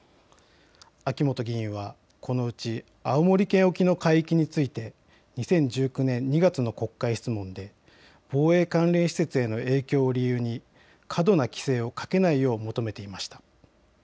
秋本議員はこのうち青森県沖の海域について２０１９年２月の国会質問で防衛関連施設への影響を理由に過度な規制をかけないよう求めていました。